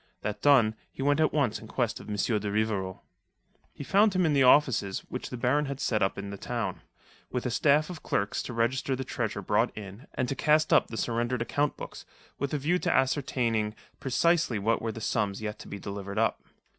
That done, he went at once in quest of M. de Rivarol. He found him in the offices which the Baron had set up in the town, with a staff of clerks to register the treasure brought in and to cast up the surrendered account books, with a view to ascertaining precisely what were the sums yet to be delivered up.